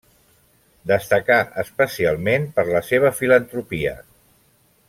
Destacà especialment per la seva filantropia.